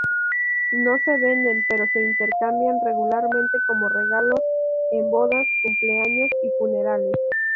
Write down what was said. No se venden, pero se intercambian regularmente como regalos en bodas, cumpleaños y funerales.